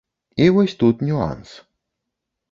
І вось тут нюанс.